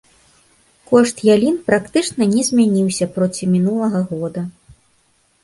Кошт ялін практычна не змяніўся проці мінулага года.